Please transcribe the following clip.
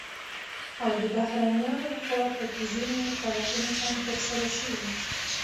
او د بهرنيانو لخوا په كې ځنې پلټنې هم ترسره شوې،